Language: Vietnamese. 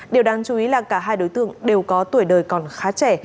điều đáng chú ý là cả hai đối tượng đều có tuổi đời còn khá trẻ